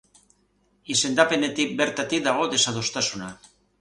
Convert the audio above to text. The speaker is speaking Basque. Izendapenetik bertatik dago desadostasuna.